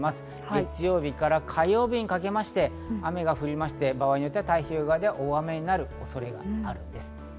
月曜日から火曜日にかけまして、雨が降りまして、場合によっては太平洋側では大雨になる可能性があります。